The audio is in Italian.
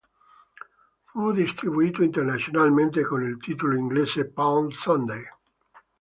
Fu distribuito internazionalmente con il titolo inglese "Palm Sunday".